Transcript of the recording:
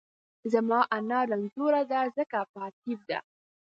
زما انا رنځورۀ دۀ ځکه په اتېب دۀ